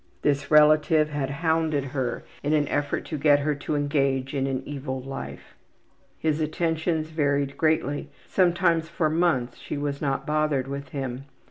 This relative had hounded her in an effort to get her to engage in an evil life. His attentions varied greatly; sometimes for months she was not bothered with him.